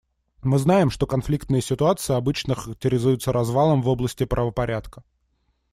Мы знаем, что конфликтные ситуации обычно характеризуются развалом в области правопорядка.